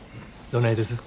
どないです？